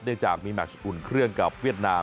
จากมีแมชอุ่นเครื่องกับเวียดนาม